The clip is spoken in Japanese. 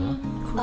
あ！